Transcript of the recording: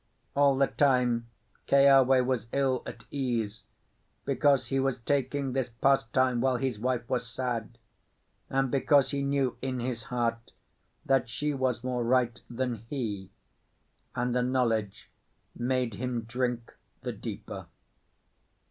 All the time Keawe was ill at ease, because he was taking this pastime while his wife was sad, and because he knew in his heart that she was more right than he; and the knowledge made him drink the deeper.